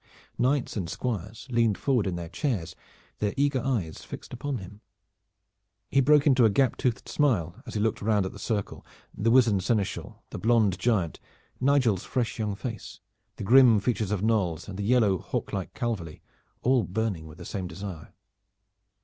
Knights and squires leaned forward in their chairs, their eager eyes, fixed upon him. He broke into a gap toothed smile as he looked round at the circle, the wizened seneschal, the blond giant, Nigel's fresh young face, the grim features of Knolles, and the yellow hawk like Calverly, all burning with the same desire.